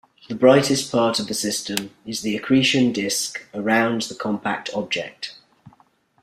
The brightest part of the system is the accretion disk around the compact object.